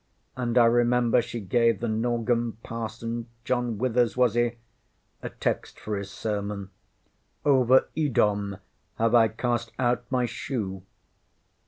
And I remember she gave the Norgem parson John Withers, was he? a text for his sermon ŌĆ£Over Edom have I cast out my shoe.